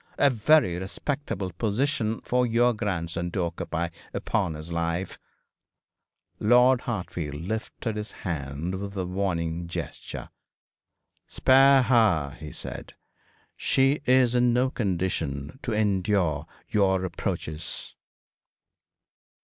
A very respectable position for your grandson to occupy, upon my life!' Lord Hartfield lifted his hand with a warning gesture. 'Spare her,' he said. 'She is in no condition to endure your reproaches.'